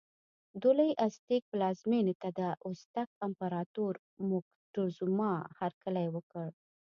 د لوی ازتېک پلازمېنې ته د ازتک امپراتور موکتیزوما هرکلی وکړ.